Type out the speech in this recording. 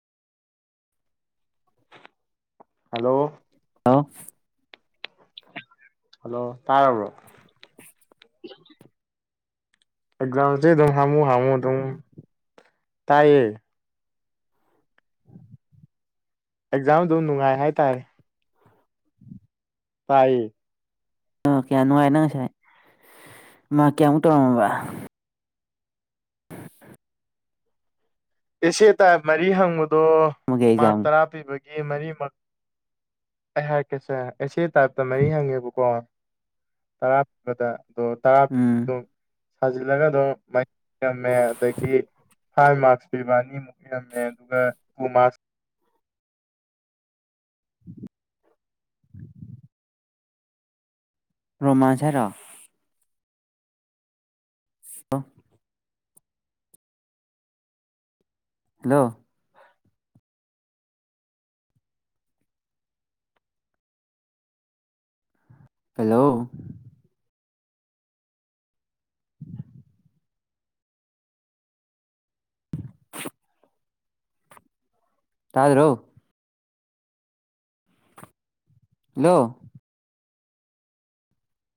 hello ꯂꯣ hello ꯇꯥꯔꯕ꯭ꯔꯣ exam ꯗꯨꯗꯤ ꯍꯥꯃꯨ ꯍꯥꯃꯨ ꯑꯗꯨꯝ ꯇꯥꯏꯌꯦ ꯑꯦꯛꯖꯥꯝ ꯗꯨꯝ ꯅꯨꯡꯉꯥꯏ ꯍꯥꯏ ꯇꯥꯏꯦ ꯇꯥꯏꯌꯦ ꯑ ꯀꯌꯥ ꯅꯨꯡꯉꯥꯏꯅꯣ ꯉꯁꯥꯏ ꯃꯥꯔꯛ ꯀꯌꯥꯃꯨꯛ ꯇꯧꯔꯝꯃꯕ ꯑꯦꯁꯦ ꯇꯥꯏꯞ ꯃꯔꯤ ꯍꯪꯕ ꯑꯗꯣ ꯑꯃꯒꯤ ꯃꯥꯔꯛ ꯑꯦꯛꯖꯥꯝ ꯇꯔꯥ ꯄꯤꯕꯩ ꯗꯩ ꯃꯔꯤ ꯃꯛ ꯑꯩ ꯍꯥꯏꯔꯛ ꯀꯦꯁꯦ ꯑꯦꯁꯦ ꯇꯥꯏꯞꯇ ꯃꯔꯤ ꯍꯪꯉꯦꯕꯀꯣ ꯇꯔꯥ ꯄꯤꯕꯗ ꯑꯗꯣ ꯇꯔꯥ ꯄꯤꯕ ꯎꯝ ꯗꯨꯝ ꯁꯥꯖꯤꯜꯂꯒꯗꯣ ꯃꯦ ꯑꯗꯒꯤ ꯐꯥꯏꯕ ꯃꯥꯔꯛꯁ ꯕꯥ ꯑꯅꯤ ꯃꯨꯛ ꯏꯔꯝꯃꯦ ꯑꯗꯨꯒ ꯇꯨ ꯃꯥꯛꯁ [inaudible] ꯔꯣꯃꯥꯟꯁꯔ ꯔꯥ [unintelligible] ꯍꯜꯂꯣ ꯍꯦꯜꯂꯣ [unintelligible] ꯇꯥꯗ꯭ꯔꯣ ꯍꯜꯂꯣ